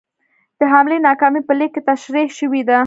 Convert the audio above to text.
د حملې ناکامي په لیک کې تشرېح شوې ده.